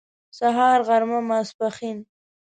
سهار غرمه ماسپښين